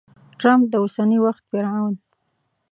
ټرمپ د اوسني وخت فرعون!